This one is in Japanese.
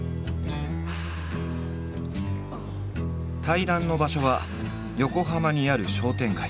対談の場所は横浜にある商店街。